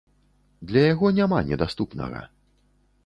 Для яго няма недаступнага.